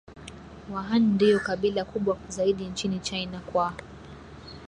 Wahan ndio kabila kubwa zaidi nchini China kwa